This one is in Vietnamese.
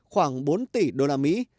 khoảng bốn tỷ đô la mỹ